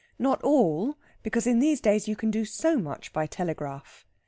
Not all, because in these days you can do so much by telegraph.